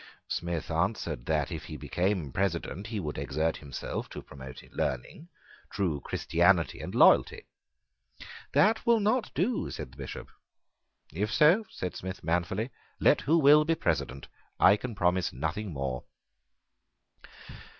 Smith answered that, if he became President, he would exert himself to promote learning, true Christianity, and loyalty. "That will not do," said the Bishop. "If so," said Smith manfully, "let who will be President: I can promise nothing more."